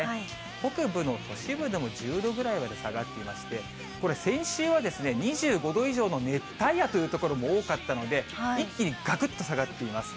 北部の都市部でも１０度ぐらいまで下がっていまして、これ、先週は２５度以上の熱帯夜という所も多かったので、一気にがくっと下がっています。